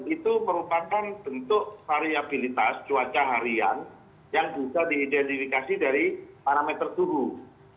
itu merupakan bentuk variabilitas cuaca harian yang bisa diidentifikasi dari parameter turun